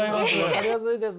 分かりやすいです。